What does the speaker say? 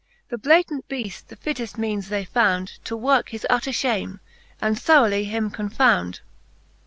The Blatant Beaft the fitteft meanes they found, To worke his utter fliame, and throughly him confound.